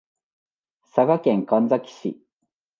佐賀県神埼市